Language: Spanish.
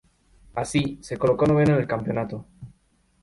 Así, se colocó noveno en el campeonato.